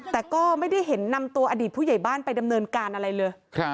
แต่ก็ไม่ได้เห็นนำตัวอดีตผู้ใหญ่บ้านไปดำเนินการอะไรเลย